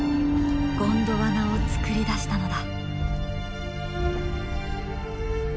ゴンドワナをつくり出したのだ。